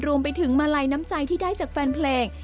รวมไปถึงมาลัยน้ำใจที่ได้จากแฟนเพลง